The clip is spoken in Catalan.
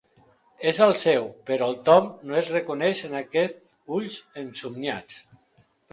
És el seu, però el Tom no es reconeix en aquests ulls ensomniats.